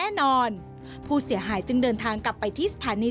ทำไมเราต้องเป็นแบบเสียเงินอะไรขนาดนี้เวรกรรมอะไรนักหนา